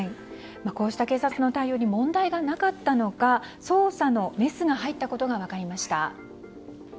こうした警察の対応に問題がなかったのか捜査のメスが入ったことが分かりました。